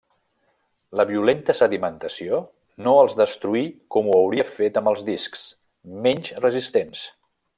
La violenta sedimentació no els destruí com ho hauria fet amb els discs, menys resistents.